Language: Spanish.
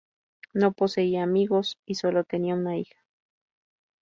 No poseía amigos, y solo tenía una hija.